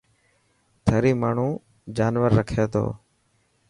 ٿري ماڻهو جانور رکي ٿو.